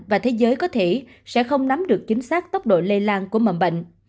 và thế giới có thể sẽ không nắm được chính xác tốc độ lây lan của mầm bệnh